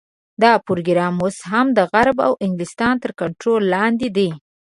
دا پروګرام اوس هم د غرب او انګلستان تر کنټرول لاندې دی.